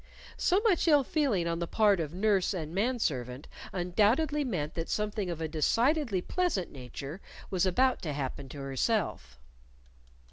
So much ill feeling on the part of nurse and man servant undoubtedly meant that something of a decidedly pleasant nature was about to happen to herself.